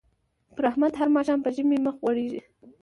پر احمد هر ماښام په ژمي مخ غوړېږي.